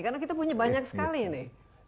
karena kita punya banyak sekali nih